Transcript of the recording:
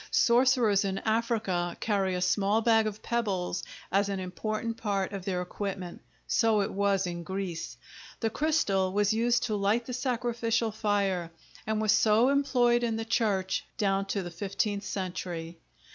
Sorcerers in Africa carry a small bag of pebbles as an important part of their equipment. So it was in Greece. The crystal was used to light the sacrificial fire and was so employed in the church down to the fifteenth century.